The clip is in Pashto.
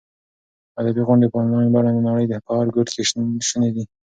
ادبي غونډې په انلاین بڼه د نړۍ په هر ګوټ کې شونې دي.